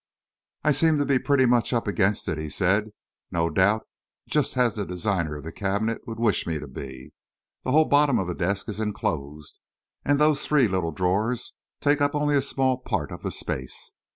"I seem to be pretty much up against it," he said, "no doubt just as the designer of the cabinet would wish me to be. The whole bottom of the desk is inclosed, and those three little drawers take up only a small part of the space.